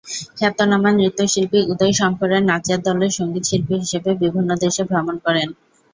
খ্যাতনামা নৃত্যশিল্পী উদয় শঙ্করের নাচের দলের সঙ্গীতশিল্পী হিসেবে বিভিন্ন দেশে ভ্রমণ করেন।